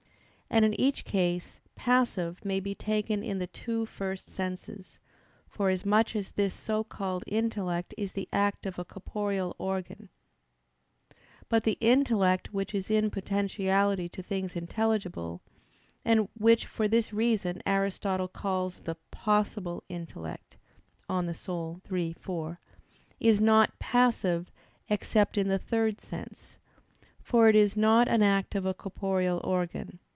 And in each case "passive" may be taken in the two first senses; forasmuch as this so called intellect is the act of a corporeal organ. But the intellect which is in potentiality to things intelligible, and which for this reason Aristotle calls the "possible" intellect (De Anima iii, 4) is not passive except in the third sense: for it is not an act of a corporeal organ.